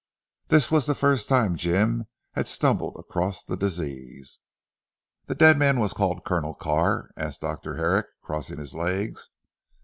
This was the first time Jim had stumbled across the disease. "The dead man was called Colonel Carr?" asked Dr. Herrick, crossing his legs.